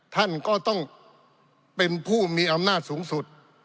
ท่านก็ต้องเป็นผู้มีอำนาจสูงสุด